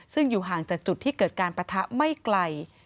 ซึ่งอยู่ห่างจากจุดที่เกิดการปะทะไม่ไกล